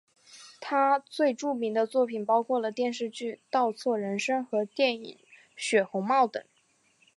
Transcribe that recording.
他最著名的作品包括了电视剧倒错人生和电影血红帽等。